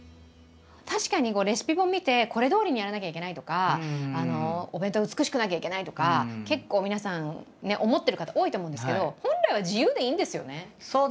確かにレシピ本見てこれどおりにやらなきゃいけないとかお弁当は美しくなきゃいけないとか結構皆さん思ってる方多いと思うんですけどそうですね。